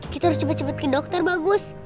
kita harus cepet cepet ke dokter bagus